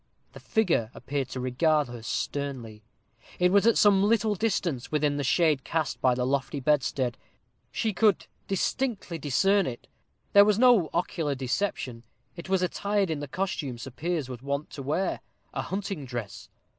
The figure appeared to regard her sternly. It was at some little distance, within the shade cast by the lofty bedstead. Still she could distinctly discern it. There was no ocular deception; it was attired in the costume Sir Piers was wont to wear a hunting dress.